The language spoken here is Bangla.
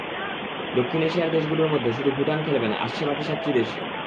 দক্ষিণ এশিয়ার দেশগুলোর মধ্যে শুধু ভুটান খেলবে না, আসছে বাকি সাতটি দেশই।